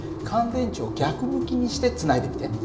乾電池を逆向きにしてつないでみて。